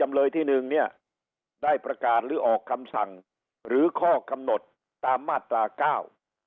จำเลยที่หนึ่งเนี่ยได้ประกาศหรือออกคำสั่งหรือข้อกำหนดตามมาตราเก้า